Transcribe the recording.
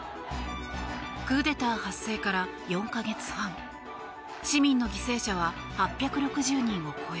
クーデター発生から４か月半市民の犠牲者は８６０人を超え